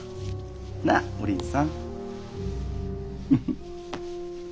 なあお倫さん。